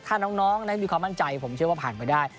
ถ้าน้องนั้นมีความมั่นใจผมเชื่อว่าผ่านไปได้